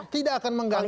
tidak akan mengganggu